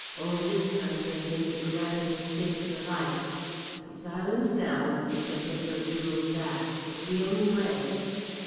"Only this time you have made the grand mistake of your life. Be silent now and you shall get your jewels back. It is the only way."